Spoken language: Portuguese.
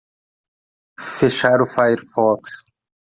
Fechar o firefox